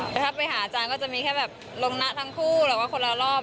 ถ้าไปหาอาจารย์ก็จะมีแค่ลงนะทั้งคู่คนละรอบ